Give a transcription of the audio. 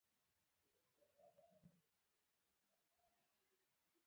لکه دمخه مې چې وویل زموږ دیني باور دادی.